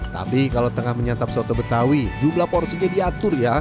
tapi kalau tengah menyantap soto betawi jumlah porsinya diatur ya